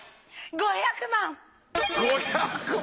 ５００万！